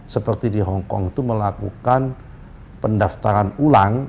seperti di hongkong itu melakukan pendaftaran ulang